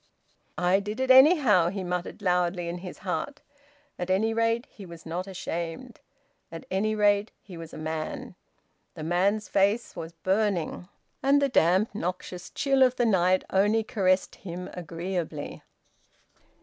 "I did it, anyhow!" he muttered loudly, in his heart. At any rate he was not shamed. At any rate he was a man. The man's face was burning, and the damp noxious chill of the night only caressed him agreeably.